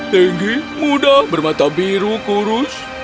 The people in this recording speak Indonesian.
tinggi mudah bermata biru kurus